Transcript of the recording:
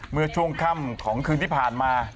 เมื่อช่วงค่ำของคืนที่ผ่านมา